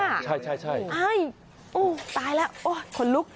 อ้ายตายแล้วโอ้ยคนลุก